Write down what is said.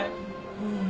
うん。